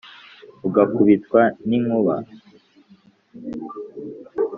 ugakubitwa n’inkuba